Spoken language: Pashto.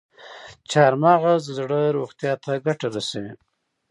چارمغز د زړه روغتیا ته ګټه رسوي.